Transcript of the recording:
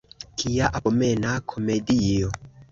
Kia abomena komedio!